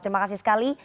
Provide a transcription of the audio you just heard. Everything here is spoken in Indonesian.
terima kasih sekali